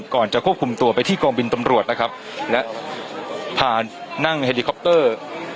ก่อนจะควบคุมตัวไปที่กองบินตำรวจนะครับและพานั่งเฮลิคอปเตอร์